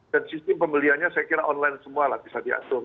dan sistem pembeliannya saya kira online semua lah bisa diatur